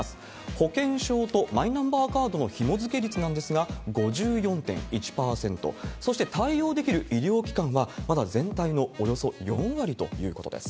保険証とマイナンバーカードのひも付け率なんですが、５４．１％、そして対応できる医療機関は、まだ全体のおよそ４割ということです。